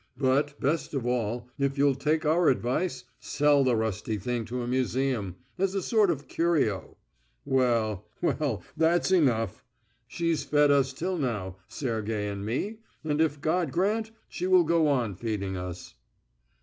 'But, best of all, if you'll take our advice, sell the rusty thing to a museum ... as a sort of curio....' Well, well, that's enough! She's fed us till now, Sergey and me, and if God grant, she will go on feeding us."